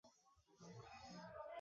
याने अपमृत्यु टळतो असा समज आहे.